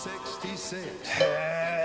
へえ。